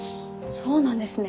そうなんですね。